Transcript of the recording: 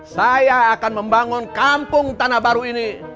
saya akan membangun kampung tanah baru ini